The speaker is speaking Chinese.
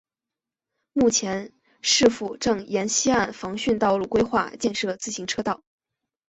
目前市府正沿溪岸防汛道路规划建设自行车道。